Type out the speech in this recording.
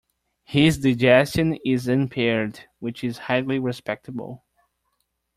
His digestion is impaired, which is highly respectable.